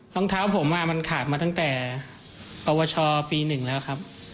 รองเท้าผมมันขาดมาตั้งแต่ปวชปี๑แล้วครับ